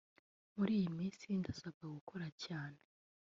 “Muri iyi minsi ndasabwa gukora cyane